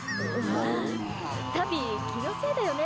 タビ、気のせいだよね？